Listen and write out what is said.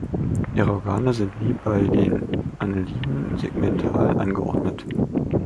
Ihre Organe sind wie bei den Anneliden segmental angeordnet.